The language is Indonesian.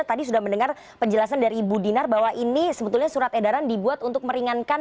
tadi sudah mendengar penjelasan dari ibu dinar bahwa ini sebetulnya surat edaran dibuat untuk meringankan